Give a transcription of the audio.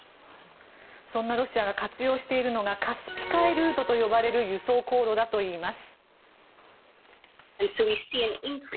そんなロシアが活用しているのがカスピ海ルートと呼ばれる輸送航路だといいます。